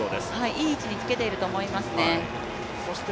いい位置につけていると思いますね。